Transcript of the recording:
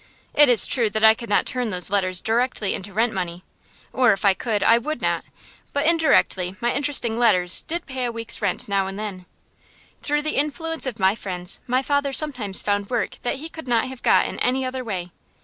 It is true that I could not turn those letters directly into rent money, or if I could, I would not, but indirectly my interesting letters did pay a week's rent now and then. Through the influence of my friends my father sometimes found work that he could not have got in any other way.